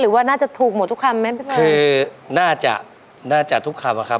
หรือว่าน่าจะถูกหมดทุกคำไหมพี่บ้านคือน่าจะน่าจะทุกคำอะครับ